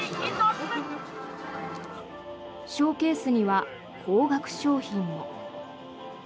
ショーケースには高額商品も。